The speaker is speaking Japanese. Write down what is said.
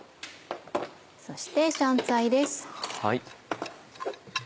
そして香菜です。